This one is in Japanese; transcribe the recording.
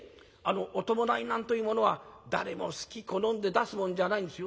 お葬式なんというものは誰もすき好んで出すもんじゃないんですよ。